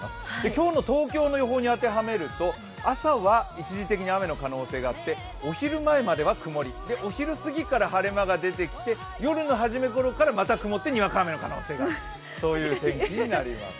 今日の東京の予報に当てはめると朝は一時的に雨の可能性があってお昼前まではくもり、お昼すぎから晴れ間が出てきて夜のはじめごろからまた曇って雨の可能性がある、そういう天気になります。